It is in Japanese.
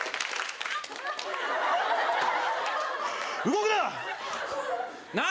動くな。